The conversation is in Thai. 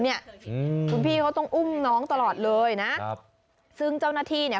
คุณพี่เขาต้องอุ้มน้องตลอดเลยนะซึ่งเจ้านาฏีเนี่ย